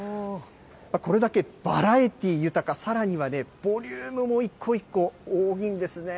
これだけバラエティ豊か、さらにはボリュームも一個一個多いんですね。